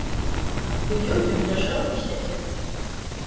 У ёй ён ляжаў і сядзеў.